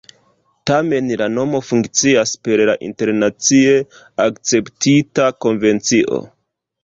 Tamen la nomo funkcias per la internacie akceptita konvencio.